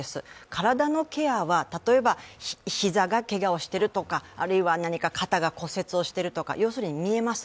体のケアは、例えば膝がけがをしているとかあるいは何か肩が骨折をしているとか、要するに、見えます。